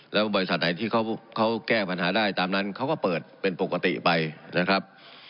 แล้วบริษัทไหนที่เขาแก้ปัญหาได้ตามนั้นเขาก็เปิดเป็นปกติไปนะครับ